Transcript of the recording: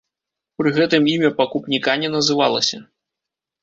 Пры гэтым імя пакупніка не называлася.